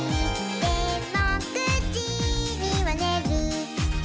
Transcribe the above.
「でも９じにはねる」